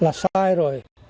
là sai rồi